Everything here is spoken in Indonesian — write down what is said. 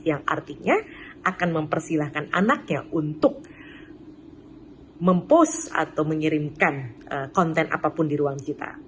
yang artinya akan mempersilahkan anaknya untuk mempost atau mengirimkan konten apapun di ruang kita